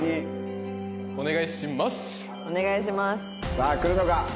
さあ来るのか？